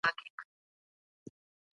بازار کې رښتینولي د باور فضا رامنځته کوي